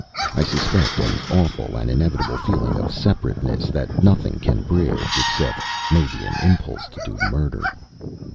I suspect an awful and inevitable feeling of separateness that nothing can bridge except maybe an impulse to do murder.